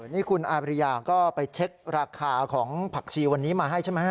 นี่คุณอาบริยาก็ไปเช็คราคาของผักชีวันนี้มาให้ใช่ไหมฮ